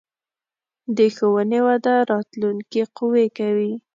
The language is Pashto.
د ښوونې وده راتلونکې قوي کوي.